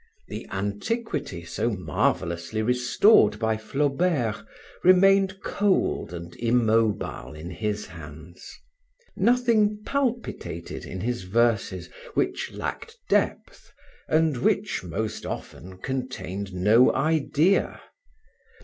The antiquity so marvelously restored by Flaubert remained cold and immobile in his hands. Nothing palpitated in his verses, which lacked depth and which, most often, contained no idea.